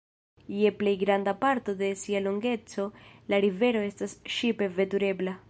Je plej granda parto de sia longeco la rivero estas ŝipe veturebla.